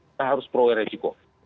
kita harus proyek resiko